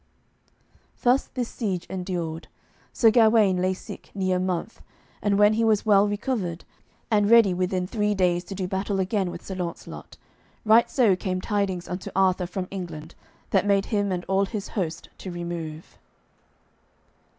Thus this siege endured. Sir Gawaine lay sick near a month, and when he was well recovered, and ready within three days to do battle again with Sir Launcelot, right so came tidings unto Arthur from England, that made him and all his host to remove.